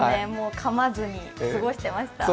噛まずに過ごしてました。